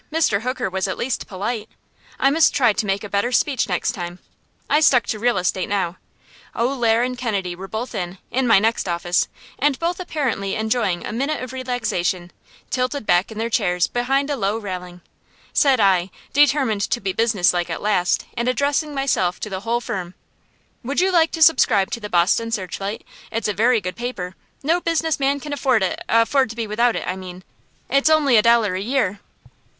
Mr. Hooker was at least polite. I must try to make a better speech next time. I stuck to real estate now. O'Lair & Kennedy were both in, in my next office, and both apparently enjoying a minute of relaxation, tilted back in their chairs behind a low railing. Said I, determined to be businesslike at last, and addressing myself to the whole firm: "Would you like to subscribe to the 'Boston Searchlight?' It's a very good paper. No business man can afford it afford to be without it, I mean. It's only a dollar a year."